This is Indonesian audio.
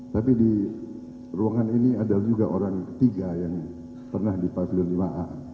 tapi di ruangan ini ada juga orang ketiga yang pernah di pavilion lima a